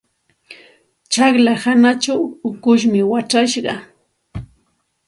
Tsaqlla hanachaw ukushmi wachashqa.